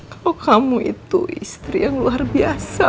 kalau kamu itu istri yang luar biasa